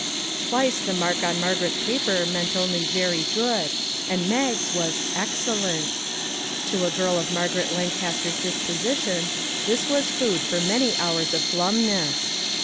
Twice the mark on Mar garet's paper meant only " Very good," and Mag's was " Excellent !" To a girl of Mar garet Lancaster's disposition this was food for many hours of glumness.